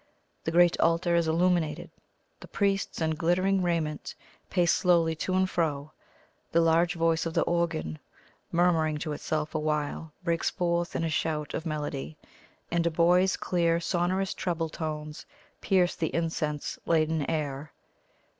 The great altar is illuminated; the priests, in glittering raiment, pace slowly to and fro. The large voice of the organ, murmuring to itself awhile, breaks forth in a shout of melody; and a boy's clear, sonorous treble tones pierce the incense laden air.